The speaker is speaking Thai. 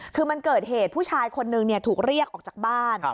คือมันเกิดเหตุผู้ชายคนนึงถูกเรียกออกจากบ้าน